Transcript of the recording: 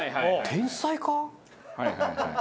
天才か？